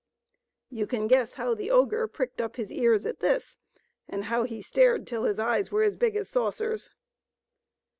You can guess how the ogre pricked up his ears at this, and how he stared till his eyes were as big as saucers.